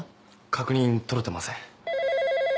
確認取れてません。